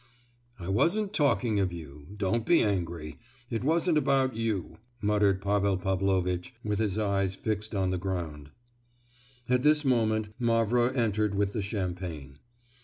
"I wasn't talking of you; don't be angry, it wasn't about you," muttered Pavel Pavlovitch, with his eyes fixed on the ground. At this moment, Mavra entered with the champagne.